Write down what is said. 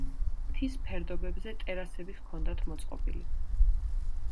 მთის ფერდობებზე ტერასები ჰქონდათ მოწყობილი.